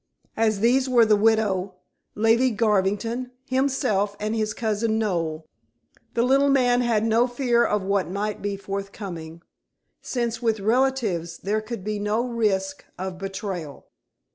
As these were the widow, Lady Garvington, himself, and his cousin Noel, the little man had no fear of what might be forthcoming, since with relatives there could be no risk of betrayal.